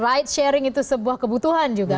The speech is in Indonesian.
light sharing itu sebuah kebutuhan juga